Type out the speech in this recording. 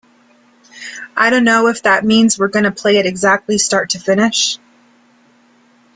I dunno if that means we're going to play it exactly start to finish.